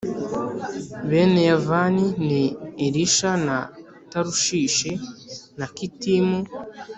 Bene yavani ni elisha na tarushishi na kitimu